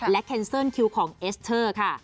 และแคนเซิลคิวของเอสเตอร์ค่ะ